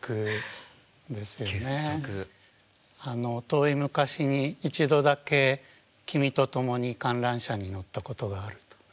遠い昔に一度だけ君と共に観覧車に乗ったことがあると。